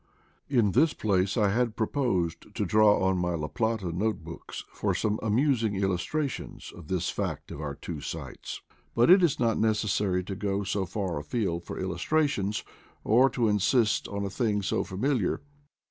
In this place I had proposed to draw on my La Plata note books for soma amusing illustrations of this fact of our two sights ; but it is not necessary to go so far afield for illustrations, or to insist on a thing so familiar.